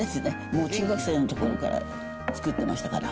もう中学生のころから作ってましたから。